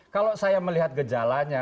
kalau saya melihat gejalanya